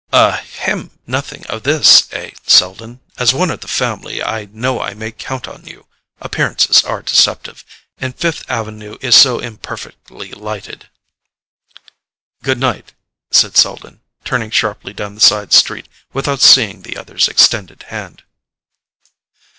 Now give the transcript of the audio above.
"A—hem—nothing of this, eh, Selden? As one of the family, I know I may count on you—appearances are deceptive—and Fifth Avenue is so imperfectly lighted——" "Goodnight," said Selden, turning sharply down the side street without seeing the other's extended hand.